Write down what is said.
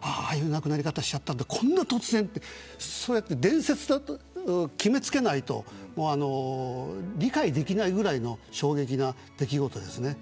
ああいう亡くなり方をしちゃったんだこんな突然という伝説と決めつけないと理解できないぐらいの衝撃な出来事ですね。